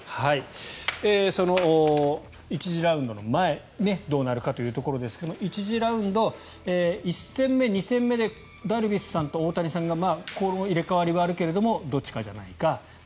その１次ラウンドの前どうなるかというところですが１次ラウンド１戦目、２戦目でダルビッシュさんと大谷さんが入れ替わりはあるけれどもどっちかじゃないか。